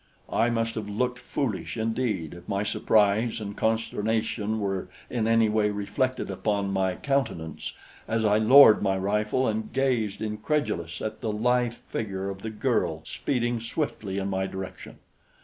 I must have looked foolish indeed if my surprise and consternation were in any way reflected upon my countenance as I lowered my rifle and gazed incredulous at the lithe figure of the girl speeding swiftly in my direction.